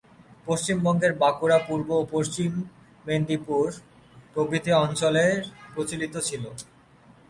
পশ্চিমবঙ্গের বাঁকুড়া, পূর্ব ও পশ্চিম মেদিনীপুর প্রভৃতি অঞ্চলে প্রচলিত ছিল।